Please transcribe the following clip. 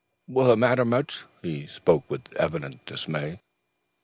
Will it matter much?" He spoke with evident dismay.